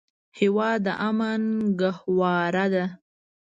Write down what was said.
هېواد د امن ګهواره ده.